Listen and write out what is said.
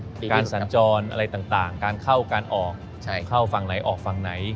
การสัญจรอะไรต่างการเข้าการออกเข้าฝั่งไหนออกฝั่งไหน